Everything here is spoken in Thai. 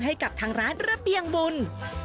ให้กับทางร้านระเบียงบุญ